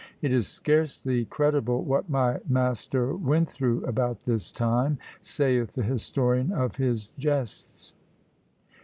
"It is scarcely credible what my master went through about this time," saith the historian of his "gestes."